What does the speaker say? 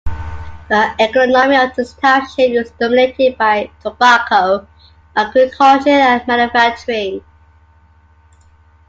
The economy of this township is dominated by tobacco agriculture and manufacturing.